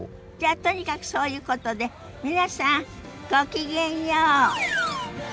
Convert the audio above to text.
じゃとにかくそういうことで皆さんごきげんよう。